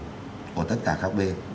của tất cả các bên